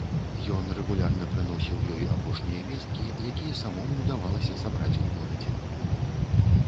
Ён рэгулярна прыносіў ёй апошнія весткі, якія самому ўдавалася сабраць у горадзе.